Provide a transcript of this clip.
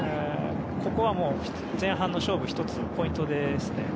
ここは前半の勝負の１つのポイントですね。